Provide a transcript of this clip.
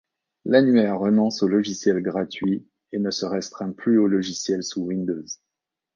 L'annuaire renonce aux logiciels gratuits et ne se restreint plus aux logiciels sous Windows.